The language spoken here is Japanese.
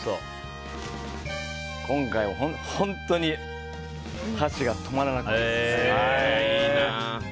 今回、本当に箸が止まらないです。